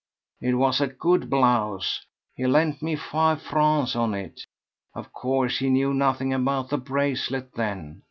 It was a good blouse; he lent me five francs on it. Of course, he knew nothing about the bracelet then.